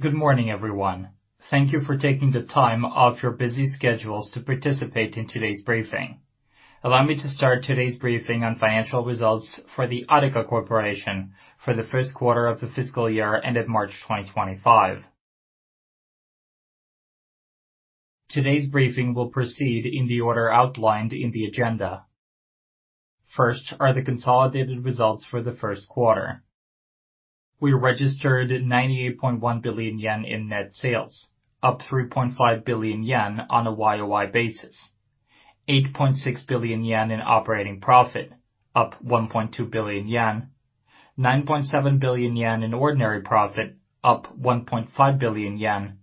Good morning, everyone. Thank you for taking the time off your busy schedules to participate in today's briefing. Allow me to start today's briefing on financial results for the Adeka Corporation for the first quarter of the fiscal year ended March 2025. Today's briefing will proceed in the order outlined in the agenda. First are the consolidated results for the first quarter. We registered 98.1 billion yen in net sales, up 3.5 billion yen on a YoY basis. 8.6 billion yen in operating profit, up 1.2 billion yen. 9.7 billion yen in ordinary profit, up 1.5 billion yen.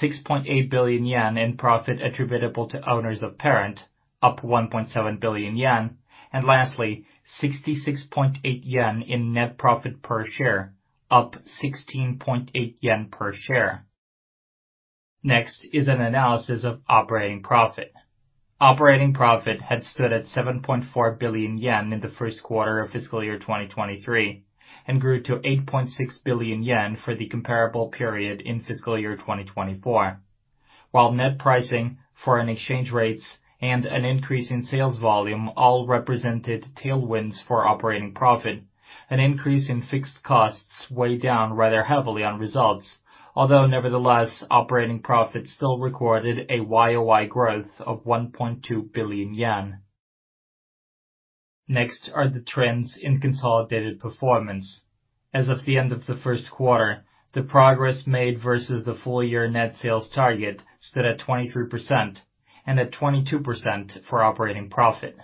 6.8 billion yen in profit attributable to owners of parent, up 1.7 billion yen. Lastly, 66.8 yen in net profit per share, up 16.8 yen per share. Next is an analysis of operating profit. Operating profit had stood at 7.4 billion yen in the first quarter of fiscal year 2023 and grew to 8.6 billion yen for the comparable period in fiscal year 2024. While net pricing, foreign exchange rates, and an increase in sales volume all represented tailwinds for operating profit, an increase in fixed costs weighed down rather heavily on results. Although nevertheless, operating profit still recorded a YoY growth of 1.2 billion yen. Next are the trends in consolidated performance. As of the end of the first quarter, the progress made versus the full year net sales target stood at 23% and at 22% for operating profit.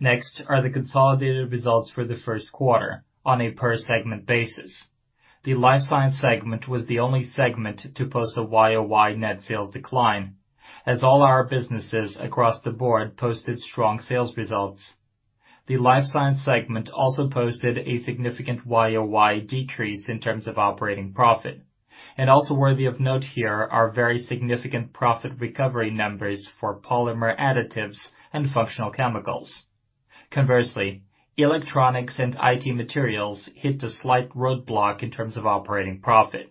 Next are the consolidated results for the first quarter on a per segment basis. The Life Science segment was the only segment to post a YOY net sales decline as all our businesses across the board posted strong sales results. The Life Science segment also posted a significant YOY decrease in terms of operating profit. Also worthy of note here are very significant profit recovery numbers for Polymer Additives and Functional Chemicals. Conversely, Electronics and IT Materials hit a slight roadblock in terms of operating profit.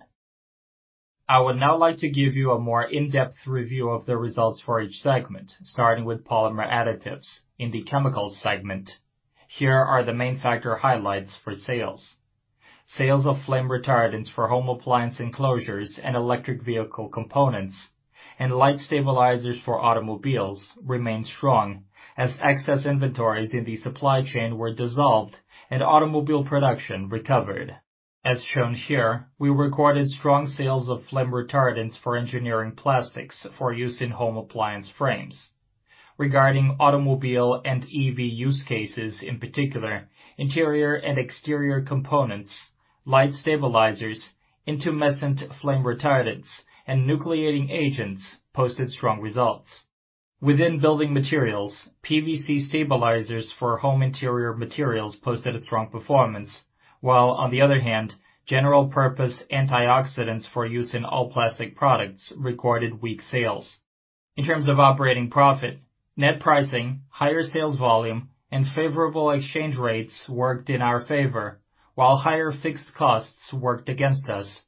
I would now like to give you a more in-depth review of the results for each segment, starting with Polymer Additives in the Chemicals segment. Here are the main factor highlights for sales. Sales of flame retardants for home appliance enclosures and electric vehicle components and light stabilizers for automobiles remained strong as excess inventories in the supply chain were dissolved and automobile production recovered. As shown here, we recorded strong sales of flame retardants for engineering plastics for use in home appliance frames. Regarding automobile and EV use cases, in particular, interior and exterior components, light stabilizers, intumescent flame retardants, and nucleating agents posted strong results. Within building materials, PVC stabilizers for home interior materials posted a strong performance, while on the other hand, general-purpose antioxidants for use in all plastic products recorded weak sales. In terms of operating profit, net pricing, higher sales volume, and favorable exchange rates worked in our favor, while higher fixed costs worked against us.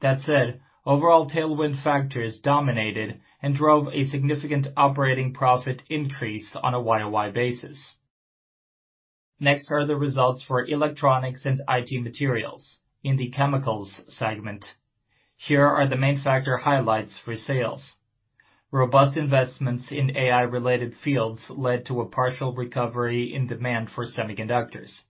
That said, overall tailwind factors dominated and drove a significant operating profit increase on a YoY basis. Next are the results for Electronics and IT Materials in the chemicals segment. Here are the main factor highlights for sales. Robust investments in AI-related fields led to a partial recovery in demand for semiconductors.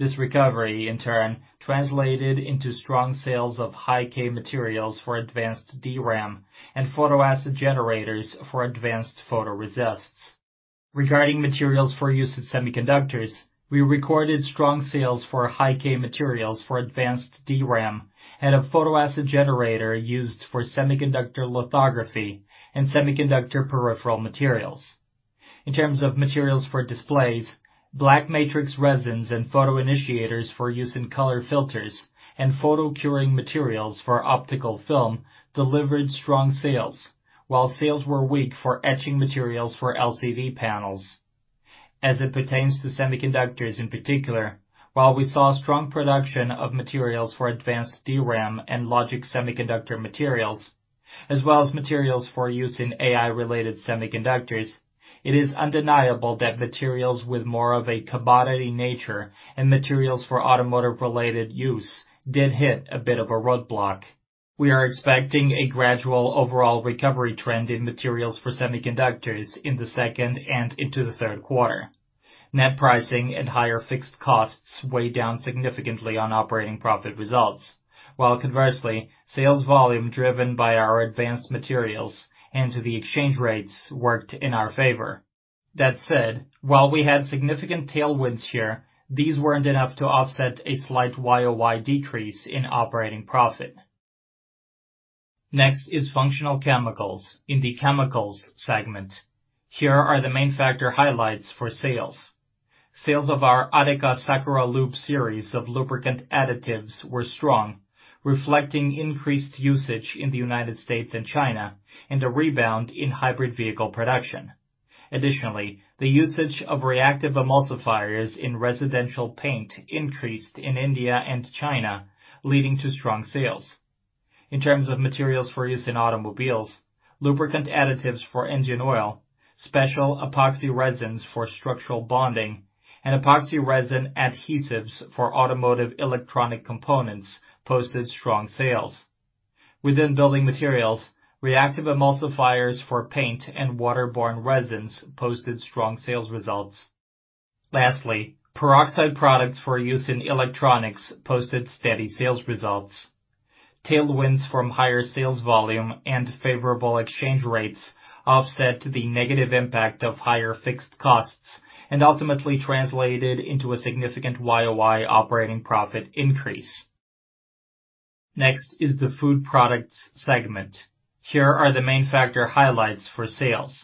This recovery, in turn, translated into strong sales of high-k materials for advanced DRAM and photoacid generators for advanced photoresists. Regarding materials for use in semiconductors, we recorded strong sales for high-k materials for advanced DRAM and a photoacid generator used for semiconductor lithography and semiconductor peripheral materials. In terms of materials for displays, black matrix resins and photoinitiators for use in color filters and photo curing materials for optical film delivered strong sales, while sales were weak for etching materials for LCD panels. As it pertains to semiconductors in particular, while we saw strong production of materials for advanced DRAM and logic semiconductor materials, as well as materials for use in AI-related semiconductors, it is undeniable that materials with more of a commodity nature and materials for automotive-related use did hit a bit of a roadblock. We are expecting a gradual overall recovery trend in materials for semiconductors in the second and into the third quarter. Net pricing and higher fixed costs weigh down significantly on operating profit results, while conversely, sales volume driven by our advanced materials and the exchange rates worked in our favor. That said, while we had significant tailwinds here, these weren't enough to offset a slight YoY decrease in operating profit. Next is functional chemicals in the chemicals segment. Here are the main factor highlights for sales. Sales of our ADEKA SAKURA-LUBE series of lubricant additives were strong, reflecting increased usage in the United States and China and a rebound in hybrid vehicle production. Additionally, the usage of reactive emulsifiers in residential paint increased in India and China, leading to strong sales. In terms of materials for use in automobiles, lubricant additives for engine oil, special epoxy resins for structural bonding, and epoxy resin adhesives for automotive electronic components posted strong sales. Within building materials, reactive emulsifiers for paint and water-borne resins posted strong sales results. Lastly, peroxide products for use in electronics posted steady sales results. Tailwinds from higher sales volume and favorable exchange rates offset the negative impact of higher fixed costs and ultimately translated into a significant YoY operating profit increase. Next is the Food Products segment. Here are the main factor highlights for sales.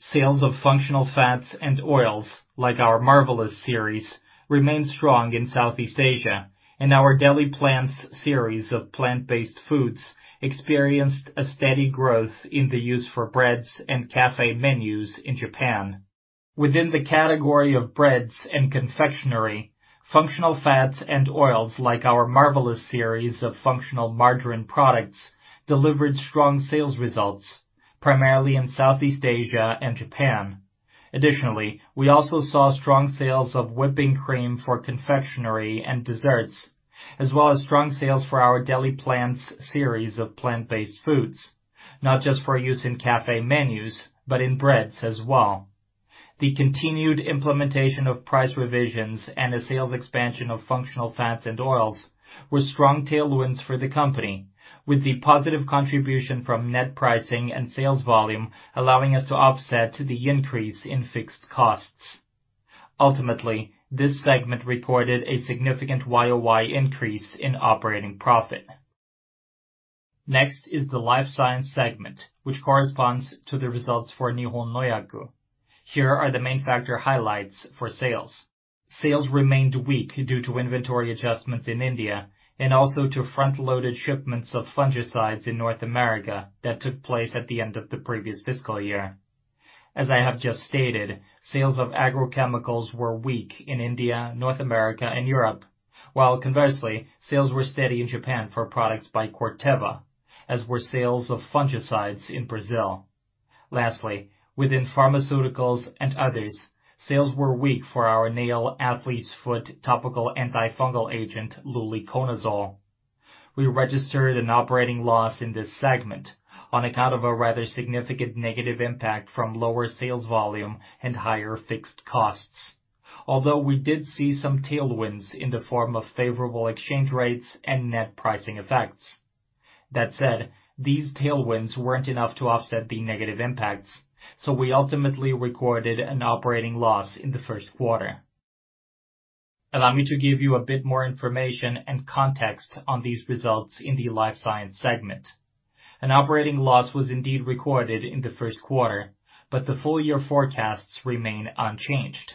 Sales of functional fats and oils, like our Marvelous series, remain strong in Southeast Asia, and our Deli-PLANTS series of plant-based foods experienced a steady growth in the use for breads and cafe menus in Japan. Within the category of breads and confectionery, functional fats and oils like our Marvelous series of functional margarine products delivered strong sales results, primarily in Southeast Asia and Japan. Additionally, we also saw strong sales of whipping cream for confectionery and desserts, as well as strong sales for our Deli-PLANTS series of plant-based foods, not just for use in cafe menus, but in breads as well. The continued implementation of price revisions and a sales expansion of functional fats and oils were strong tailwinds for the company, with the positive contribution from net pricing and sales volume allowing us to offset the increase in fixed costs. Ultimately, this segment recorded a significant YoY increase in operating profit. Next is the Life Science segment, which corresponds to the results for Nihon Nohyaku. Here are the main factor highlights for sales. Sales remained weak due to inventory adjustments in India and also to front-loaded shipments of fungicides in North America that took place at the end of the previous fiscal year. As I have just stated, sales of agrochemicals were weak in India, North America and Europe, while conversely, sales were steady in Japan for products by Corteva, as were sales of fungicides in Brazil. Lastly, within pharmaceuticals and others, sales were weak for our nail athlete's foot topical antifungal agent, luliconazole. We registered an operating loss in this segment on account of a rather significant negative impact from lower sales volume and higher fixed costs. Although we did see some tailwinds in the form of favorable exchange rates and net pricing effects. That said, these tailwinds weren't enough to offset the negative impacts, so we ultimately recorded an operating loss in the first quarter. Allow me to give you a bit more information and context on these results in the Life Science segment. An operating loss was indeed recorded in the first quarter, but the full year forecasts remain unchanged.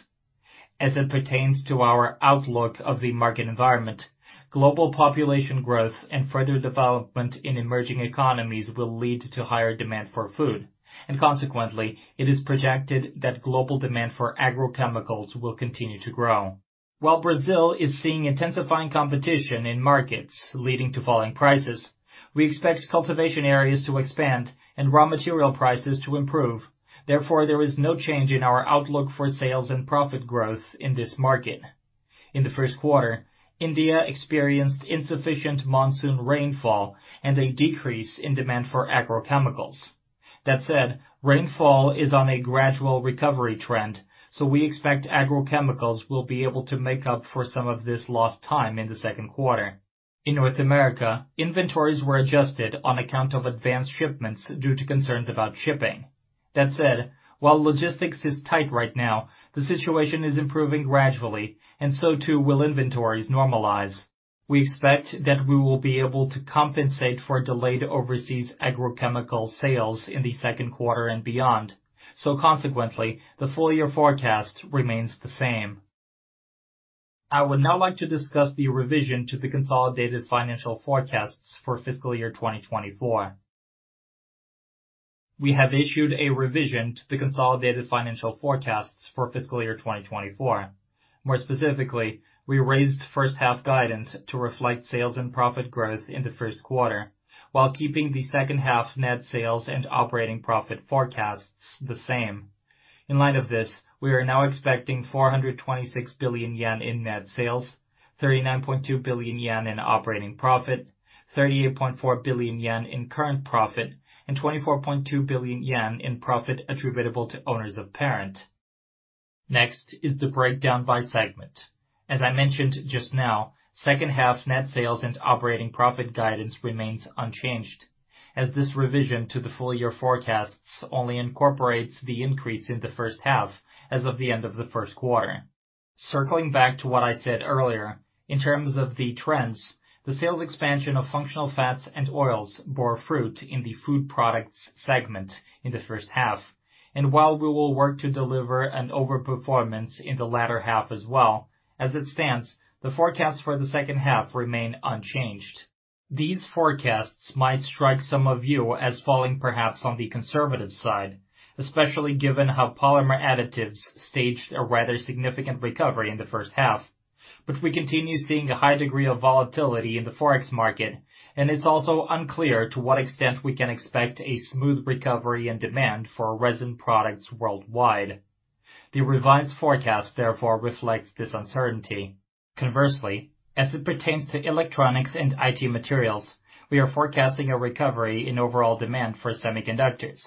As it pertains to our outlook of the market environment, global population growth and further development in emerging economies will lead to higher demand for food, and consequently, it is projected that global demand for agrochemicals will continue to grow. While Brazil is seeing intensifying competition in markets leading to falling prices, we expect cultivation areas to expand and raw material prices to improve. Therefore, there is no change in our outlook for sales and profit growth in this market. In the first quarter, India experienced insufficient monsoon rainfall and a decrease in demand for agrochemicals. That said, rainfall is on a gradual recovery trend, so we expect agrochemicals will be able to make up for some of this lost time in the second quarter. In North America, inventories were adjusted on account of advanced shipments due to concerns about shipping. That said, while logistics is tight right now, the situation is improving gradually and so too will inventories normalize. We expect that we will be able to compensate for delayed overseas agrochemical sales in the second quarter and beyond. Consequently, the full year forecast remains the same. I would now like to discuss the revision to the consolidated financial forecasts for fiscal year 2024. We have issued a revision to the consolidated financial forecasts for fiscal year 2024. More specifically, we raised first half guidance to reflect sales and profit growth in the first quarter while keeping the second half net sales and operating profit forecasts the same. In light of this, we are now expecting 426 billion yen in net sales, 39.2 billion yen in operating profit, 38.4 billion yen in current profit, and 24.2 billion yen in profit attributable to owners of parent. Next is the breakdown by segment. As I mentioned just now, second half net sales and operating profit guidance remains unchanged, as this revision to the full year forecasts only incorporates the increase in the first half as of the end of the first quarter. Circling back to what I said earlier, in terms of the trends, the sales expansion of functional fats and oils bore fruit in the Food Products segment in the first half. While we will work to deliver an overperformance in the latter half as well, as it stands, the forecast for the second half remains unchanged. These forecasts might strike some of you as falling perhaps on the conservative side, especially given how Polymer Additives staged a rather significant recovery in the first half. We continue seeing a high degree of volatility in the Forex market, and it's also unclear to what extent we can expect a smooth recovery and demand for resin products worldwide. The revised forecast, therefore, reflects this uncertainty. Conversely, as it pertains to Electronics and IT Materials, we are forecasting a recovery in overall demand for semiconductors.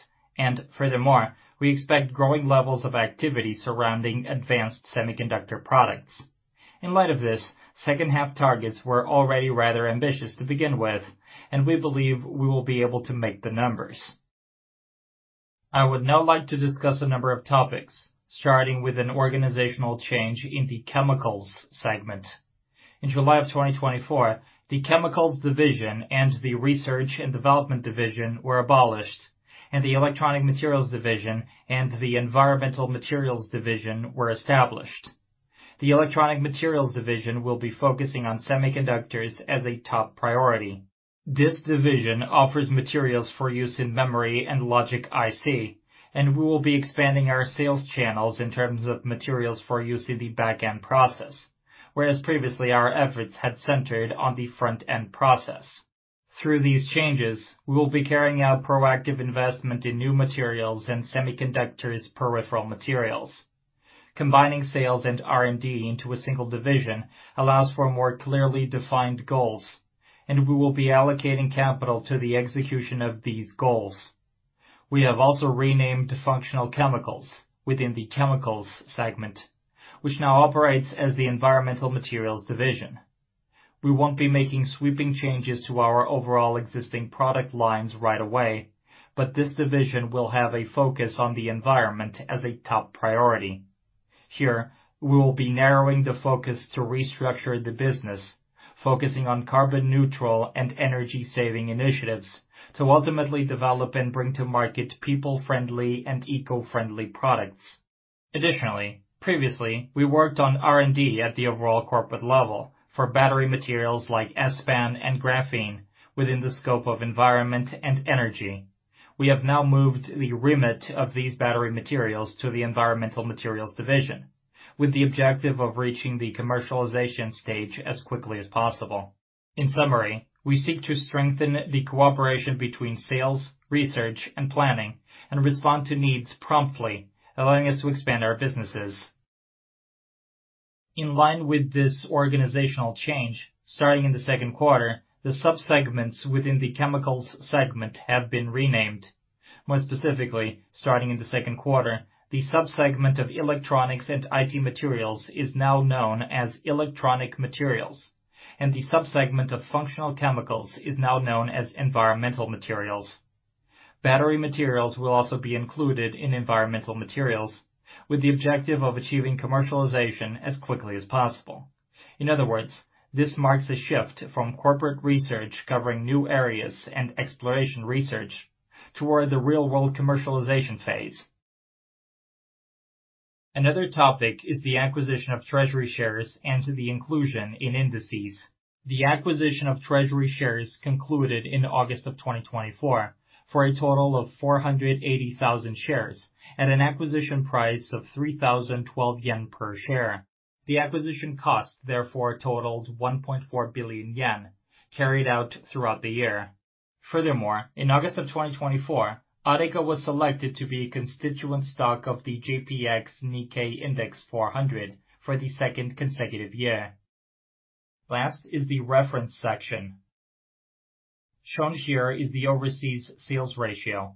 Furthermore, we expect growing levels of activity surrounding advanced semiconductor products. In light of this, second half targets were already rather ambitious to begin with, and we believe we will be able to make the numbers. I would now like to discuss a number of topics, starting with an organizational change in the chemicals segment. In July of 2024, the chemicals division and the research and development division were abolished, and the electronic materials division and the environmental materials division were established. The electronic materials division will be focusing on semiconductors as a top priority. This division offers materials for use in memory and logic IC, and we will be expanding our sales channels in terms of materials for use in the back-end process, whereas previously our efforts had centered on the front-end process. Through these changes, we will be carrying out proactive investment in new materials and semiconductors peripheral materials. Combining sales and R&D into a single division allows for more clearly defined goals, and we will be allocating capital to the execution of these goals. We have also renamed Functional Chemicals within the chemicals segment, which now operates as the Environmental Materials Division. We won't be making sweeping changes to our overall existing product lines right away, but this division will have a focus on the environment as a top priority. Here, we will be narrowing the focus to restructure the business, focusing on carbon neutral and energy-saving initiatives to ultimately develop and bring to market people-friendly and eco-friendly products. Additionally, previously, we worked on R&D at the overall corporate level for battery materials like SPAN and graphene within the scope of environment and energy. We have now moved the remit of these battery materials to the Environmental Materials Division, with the objective of reaching the commercialization stage as quickly as possible. In summary, we seek to strengthen the cooperation between sales, research, and planning and respond to needs promptly, allowing us to expand our businesses. In line with this organizational change, starting in the second quarter, the subsegments within the chemicals segment have been renamed. More specifically, starting in the second quarter, the subsegment of Electronics and IT Materials is now known as Electronic Materials, and the subsegment of Functional Chemicals is now known as Environmental Materials. Battery materials will also be included in Environmental Materials, with the objective of achieving commercialization as quickly as possible. In other words, this marks a shift from corporate research covering new areas and exploration research toward the real-world commercialization phase. Another topic is the acquisition of treasury shares and the inclusion in indices. The acquisition of treasury shares concluded in August 2024 for a total of 480,000 shares at an acquisition price of 3,012 yen per share. The acquisition cost therefore totaled 1.4 billion yen carried out throughout the year. Furthermore, in August 2024, Adeka was selected to be a constituent stock of the JPX-Nikkei Index 400 for the second consecutive year. Last is the reference section. Shown here is the overseas sales ratio.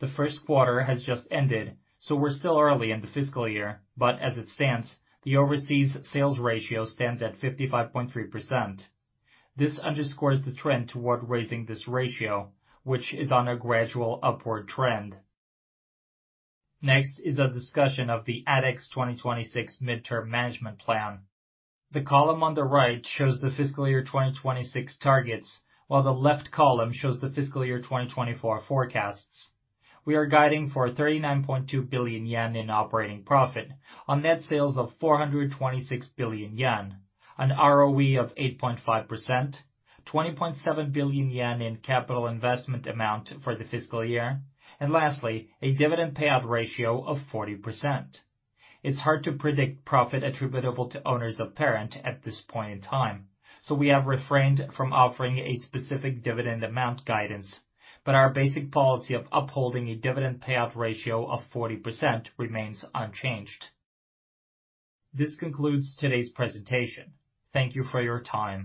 The first quarter has just ended, so we're still early in the fiscal year. As it stands, the overseas sales ratio stands at 55.3%. This underscores the trend toward raising this ratio, which is on a gradual upward trend. Next is a discussion of the ADX 2026 mid-term management plan. The column on the right shows the fiscal year 2026 targets, while the left column shows the fiscal year 2024 forecasts. We are guiding for 39.2 billion yen in operating profit on net sales of 426 billion yen, an ROE of 8.5%, 20.7 billion yen in capital investment amount for the fiscal year, and lastly, a dividend payout ratio of 40%. It's hard to predict profit attributable to owners of parent at this point in time, so we have refrained from offering a specific dividend amount guidance. Our basic policy of upholding a dividend payout ratio of 40% remains unchanged. This concludes today's presentation. Thank you for your time.